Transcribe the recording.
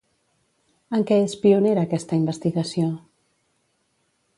En què és pionera aquesta investigació?